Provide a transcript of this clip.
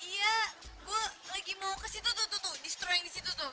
iya gue lagi mau ke situ tuh tuh tuh distro yang di situ tuh